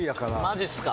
マジっすか？